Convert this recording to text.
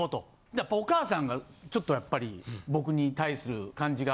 やっぱお母さんがちょっとやっぱり僕に対する感じが。